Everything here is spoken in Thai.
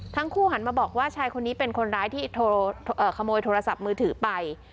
หันมาบอกว่าชายคนนี้เป็นคนร้ายที่ขโมยโทรศัพท์มือถือไป